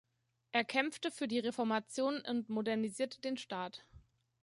Er kämpfte für die Reformation und modernisierte den Staat.